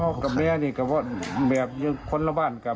พ่อกับแม่นี่ก็บอกแม่อยู่คนละบ้านกัน